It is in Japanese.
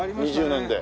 ２０年で。